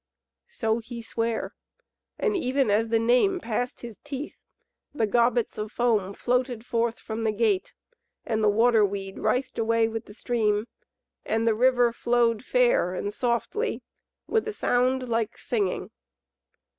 So he sware, and even as the Name passed his teeth, the gobbets of foam floated forth from the gate, and the water weed writhed away with the stream, and the river flowed fair and softly, with a sound like singing.